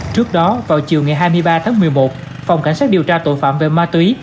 trước đó vào chiều ngày hai mươi ba tháng một mươi một phòng cảnh sát điều tra tội phạm về ma túy